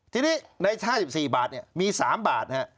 ทีนี้ใน๕๔บาทเนี่ยมี๓บาทเนี่ย